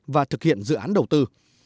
và thực hiện dự án đầu tư